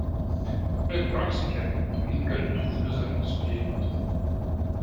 Après le départ de son cadet, Lincoln trouve deux hommes dans son vieil appartement.